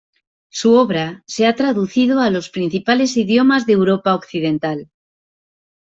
Su obra se ha traducido a los principales idiomas de Europa occidental.